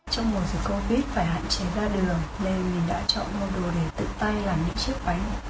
trong mùa dịch covid phải hạn chế ra đường nên mình đã chọn mua đồ để tự tay làm những chiếc váy